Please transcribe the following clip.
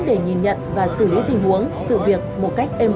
đi qua là tổ quân tác